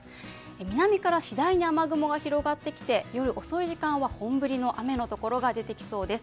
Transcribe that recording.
南から次第に雨雲が広がってきて、夜遅い時間は本降りの雨のところが出てきそうです。